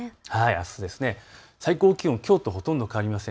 最高気温、きょうとほとんど変わりません。